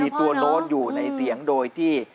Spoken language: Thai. มีตัวโน้ตอยู่ในเสียงโดยที่